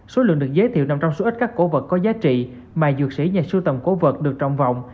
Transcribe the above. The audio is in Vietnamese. số lượng được giới thiệu nằm trong số ít các cổ vật có giá trị mà dược sĩ nhà sưu tầm cổ vật được trọng vọng